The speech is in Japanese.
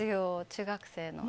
中学生の。